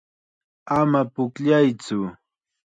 Ama pukllaytsu.